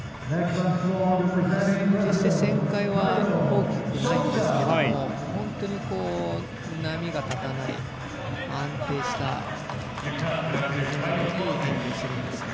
決して、旋回は大きくないんですが本当に波が立たない安定したいい演技をするんですよね。